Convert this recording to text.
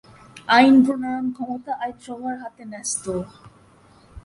আইন প্রণয়ন ক্ষমতা আইনসভার হাতে ন্যস্ত।